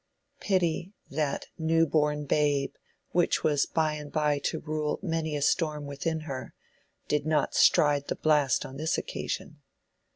Pity, that "new born babe" which was by and by to rule many a storm within her, did not "stride the blast" on this occasion.